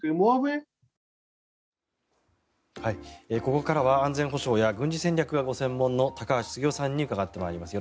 ここからは安全保障や軍事戦略がご専門の高橋杉雄さんに伺ってまいります。